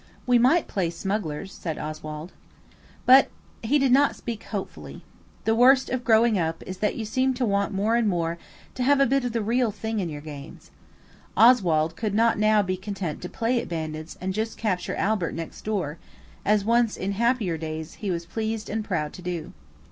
"We might play smugglers," said Oswald. But he did not speak hopefully. The worst of growing up is that you seem to want more and more to have a bit of the real thing in your games. Oswald could not now be content to play at bandits and just capture Albert next door, as once, in happier days, he was pleased and proud to do.